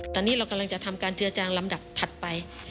ตอนนี้เรากำลังจะทำการเจือจางลำดับถัดไป